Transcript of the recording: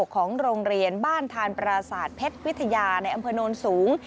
ของโรงเรียนบ้านทานปราศาสตร์เพชรวิทยาในอำเภอโนนสูง